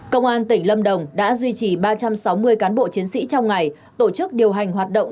công an tỉnh lâm đồng đã duy trì ba trăm sáu mươi cán bộ chiến sĩ trong ngày tổ chức điều hành hoạt động